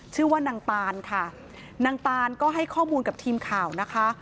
ชื่อว่านางตานค่ะนางตานก็ให้ข้อมูลกับทีมข่าวนะคะ